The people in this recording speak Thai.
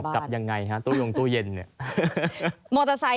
หอบกลับยังไงตู้ยงตู้เย็นเนี่ย